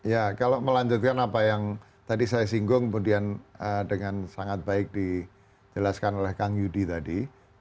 ya kalau melanjutkan apa yang tadi saya singgung kemudian dengan sangat baik dijelaskan oleh kang yudi tadi